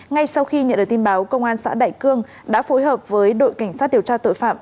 ngay sau khi nhận được tin báo công an xã đại cương đã phối hợp với đội cảnh sát điều tra tội phạm